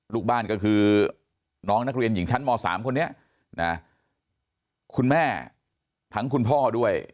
ลูกบ้านก็คือน้องนักเรียนหญิงชั้นม๓คนนี้นะคุณแม่ทั้งคุณพ่อด้วย